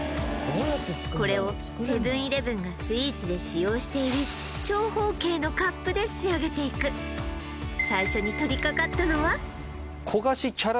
これをセブン−イレブンがスイーツで使用している長方形のカップで仕上げていくと思います